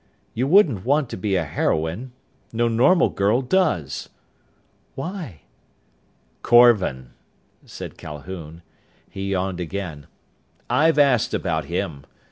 "You wouldn't want to be a heroine. No normal girl does." "Why?" "Korvan," said Calhoun. He yawned again. "I've asked about him.